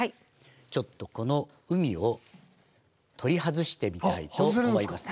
ちょっとこの海を取り外してみたいと思います。